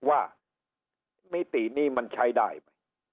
มิตินี้มันใช้ได้ไหม